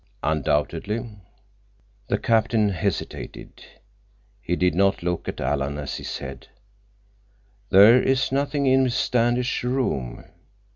"Undoubtedly." The captain hesitated. He did not look at Alan as he said: "There is nothing in Miss Standish's room.